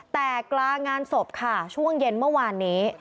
แต่กลางงานศพค่ะช่วงเย็นเมื่อวานนี้